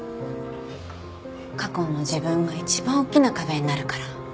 過去の自分が一番おっきな壁になるから。